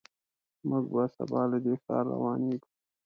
موږ به سبا له دې ښار روانېږو.